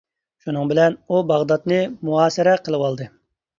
شۇنىڭ بىلەن ئۇ باغداتنى مۇھاسىرە قىلىۋالدى.